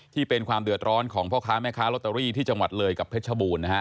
ที่เป็นความเดือดร้อนของพ่อค้าแม่ค้าลอตเตอรี่ที่จังหวัดเลยกับเพชรบูรณ์นะฮะ